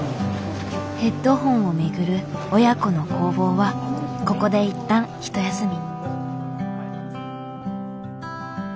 ヘッドホンをめぐる親子の攻防はここで一旦ひと休み。